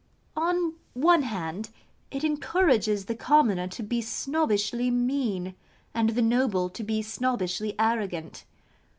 On one hand it encourages the commoner to be snobbishly mean, and the noble to be snobbishly arrogant.